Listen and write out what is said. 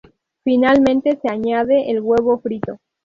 Finalmente se añade el huevo frito.